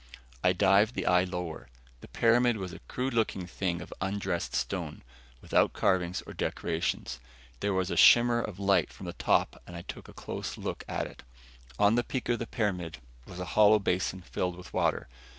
I dived the eye lower. The pyramid was a crude looking thing of undressed stone, without carvings or decorations. There was a shimmer of light from the top and I took a closer look at it. On the peak of the pyramid was a hollow basin filled with water.